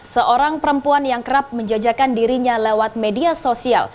seorang perempuan yang kerap menjajakan dirinya lewat media sosial